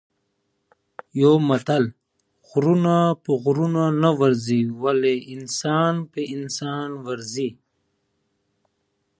هر څه په خپل وخت وکړئ.